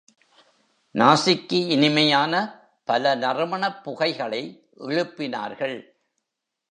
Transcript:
நாசிக்கு இனிமையான பல நறுமணப் புகைகளை எழுப்பினார்கள்.